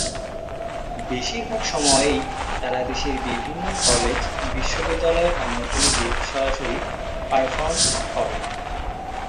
বেশিরভাগ সময়েই তারা দেশের বিভিন্ন কলেজ, বিশ্ববিদ্যালয়ের আমন্ত্রণে গিয়ে সরাসরি পারফর্ম করেন।